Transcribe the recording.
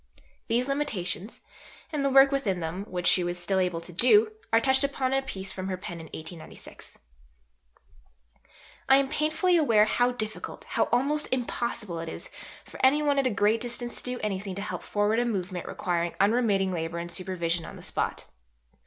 These limitations, and the work within them which she still was able to do, are touched upon in a piece from her pen in 1896. "I am painfully aware how difficult, how almost impossible, it is for any one at a great distance to do anything to help forward a movement requiring unremitting labour and supervision on the spot.